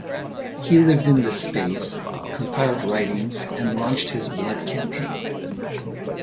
He lived in the space, compiled writings and launched his Blood Campaign.